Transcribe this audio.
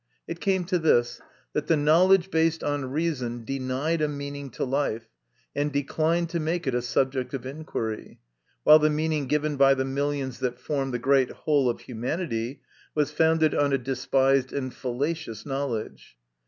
It came to this, that the knowledge based on reason denied a meaning to life, and declined to make it a subject of inquiry, while the meaning given by the millions that form the great whole of humanity was founded on a despised and fallacious knowledge.